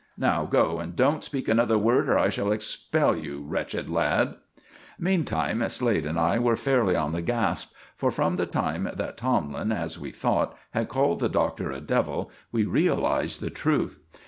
"Now go, and don't speak another word, or I shall expel you, wretched lad!" Meantime Slade and I were fairly on the gasp, for from the time that Tomlin, as we thought, had called the Doctor a devil we realized the truth.